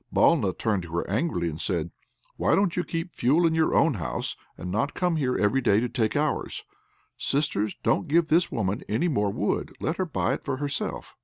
Balna turned to her, angrily, and said, "Why don't you keep fuel in your own house, and not come here every day and take ours? Sisters, don't give this woman any more wood; let her buy it for herself."